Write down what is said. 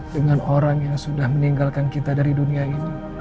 dengan orang yang sudah meninggalkan kita dari dunia ini